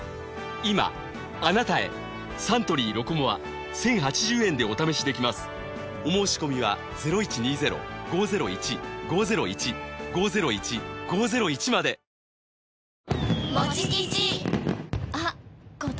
今あなたへサントリー「ロコモア」１，０８０円でお試しできますお申込みは吉永小百合さん主演の映画